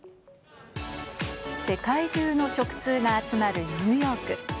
世界中の食通が集まるニューヨーク。